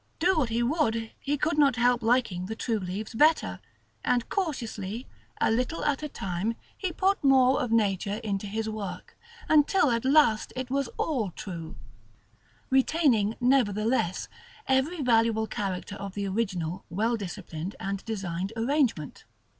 Do what he would, he could not help liking the true leaves better; and cautiously, a little at a time, he put more of nature into his work, until at last it was all true, retaining, nevertheless, every valuable character of the original well disciplined and designed arrangement.